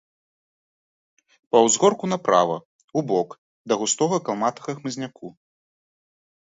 Па ўзгорку направа, убок, да густога калматага хмызняку.